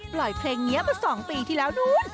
ปล่อยเพลงนี้มา๒ปีที่แล้วนู้น